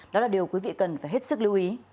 đó là điều quý vị cần phải hết sức lưu ý